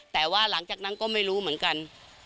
แต่ว่าหลังจากนั้นก็ไม่รู้เหมือนกัน